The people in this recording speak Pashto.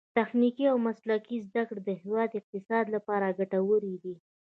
تخنیکي او مسلکي زده کړې د هیواد د اقتصاد لپاره ګټورې دي.